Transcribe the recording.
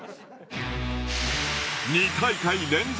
２大会連続